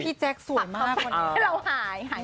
พี่แจ๊คสวยมากเพื่อนนี้